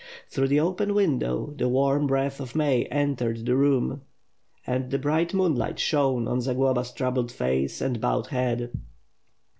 Through the open window, the warm breath of May entered the room and the bright mooonlight shone on Zagloba's troubled face and bowed head.